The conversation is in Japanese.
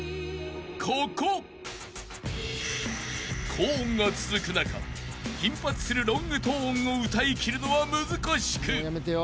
［高音が続く中頻発するロングトーンを歌いきるのは難しく］